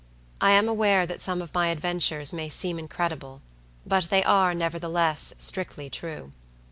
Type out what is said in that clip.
I am aware that some of my adventures may seem incredible; but they are, nevertheless, strictly true.